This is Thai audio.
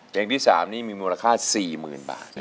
เพลงที่๓นี้มีมูลค่า๔๐๐๐บาท